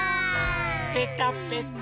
ぺたぺた。